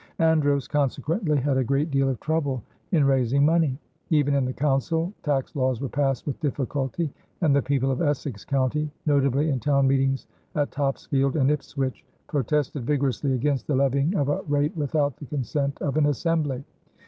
Andros consequently had a great deal of trouble in raising money. Even in the council, tax laws were passed with difficulty, and the people of Essex County, notably in town meetings at Topsfield and Ipswich, protested vigorously against the levying of a rate without the consent of an assembly.